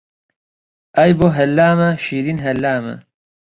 ئای بۆ هەلامە شیرین هەلامە